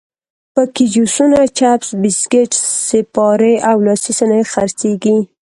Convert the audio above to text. په کې جوسونه، چپس، بسکیټ، سیپارې او لاسي صنایع خرڅېږي.